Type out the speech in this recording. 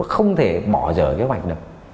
không thể bỏ rời cái mạch được